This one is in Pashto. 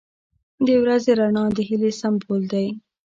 • د ورځې رڼا د هیلې سمبول دی.